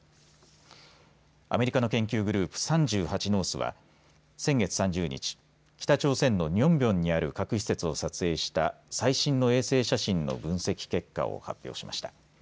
アメリカの研究グループ、３８ノースは先月３０日北朝鮮のニョンビョンにある核施設を撮影した最新の衛星写真の分析結果を発表しました。